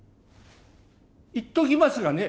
言っときますがね